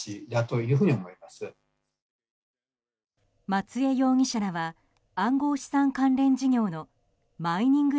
松江容疑者らは暗号資産関連事業のマイニング